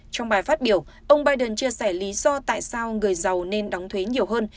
trong bài phát biểu ông biden chia sẻ lý do tại sao người giàu nên đóng thuế nhiều hơn